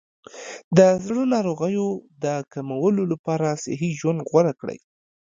د زړه ناروغیو د کمولو لپاره صحي ژوند غوره کړئ.